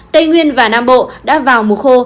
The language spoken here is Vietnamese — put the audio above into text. tây nguyên và nam bộ đã vào mùa khô